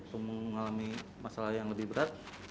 atau mengalami masalah yang lebih berat